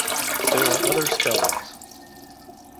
There are other spellings.